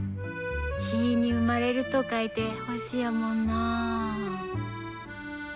「日」に「生まれる」と書いて「星」やもんなあ。